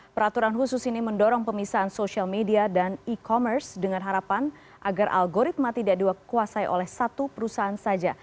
peraturan khusus ini mendorong pemisahan social media dan e commerce dengan harapan agar algoritma tidak dikuasai oleh satu perusahaan saja